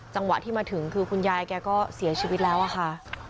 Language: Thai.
จังหวะที่มาถึงคือคุณยายแกก็เสียชีวิตแล้วอะค่ะ